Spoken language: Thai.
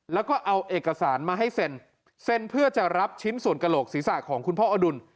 แล้วก็เอาเอกสารมาให้เซ็นเซ็นเพื่อจะรับชิ้นส่วนกระโหลกศีรษะของคุณพ่ออดุล